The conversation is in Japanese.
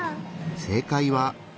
正解は。